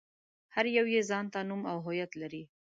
هر يو يې ځان ته نوم او هويت لري.